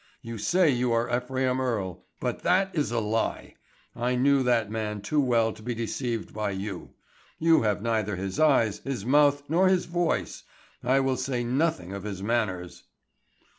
You say you are Ephraim Earle, but that is a lie. I knew that man too well to be deceived by you. You have neither his eyes, his mouth, nor his voice, I will say nothing of his manners."